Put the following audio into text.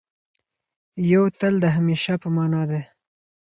یو تل د همېشه په مانا دی.